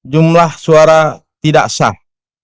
jumlah suara tidak sah